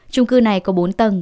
trung cư này có bốn tầng